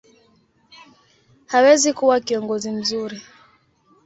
hawezi kuwa kiongozi mzuri.